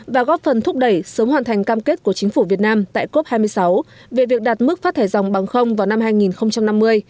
và góp phần thúc đẩy sớm hoàn thành cam kết của chính phủ việt nam tại cop hai mươi sáu về việc đạt mức phát thải dòng bằng không vào năm hai nghìn năm mươi